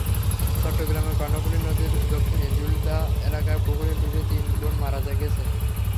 চট্টগ্রামের কর্ণফুলী নদীর দক্ষিণে জুলধা এলাকায় পুকুরে ডুবে তিন বোন মারা গেছে।